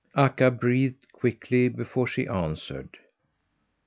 Akka breathed quickly before she answered.